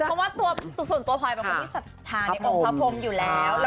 เพราะว่าส่วนตัวผมก็อยู่จัดทำทางพระผมอยู่แล้ว